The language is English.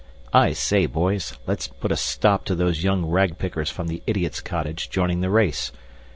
"I say, boys, let's put a stop to those young ragpickers from the idiot's cottage joining the race.